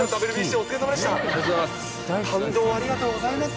ありがとうございます。